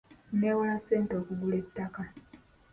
Neewola ssente okugula ettaka.